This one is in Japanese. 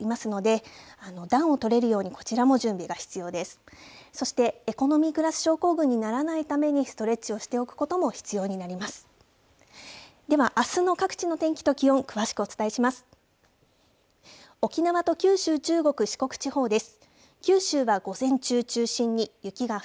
では、あすの各地の天気と気温、詳しくお伝えします。